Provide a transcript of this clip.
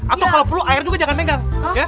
atau kalau perlu air juga jangan megang